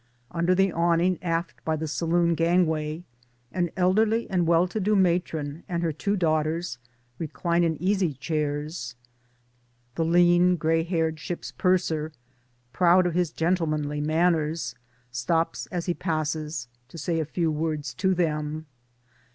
Under the awning aft by the saloon gangway an elderly and well to do matron and her two daughters recline in easy chairs ; the lean grey haired ship's purser, proud of his gentlemanly manners, stops as he passes to say a few words to them.